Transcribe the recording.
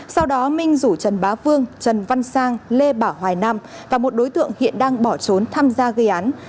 sau đó minh rủ trần bá vương trần văn sang lê bảo hoài nam và một đối tượng hiện đang bỏ trốn tham gia gây án